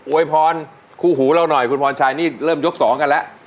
วยพรคู่หูเราหน่อยคุณพรชัยนี่เริ่มยกสองกันแล้ว